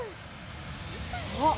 あっ！